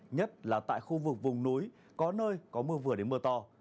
nhất là tại khu vực vùng núi có nơi có mưa vừa đến mưa to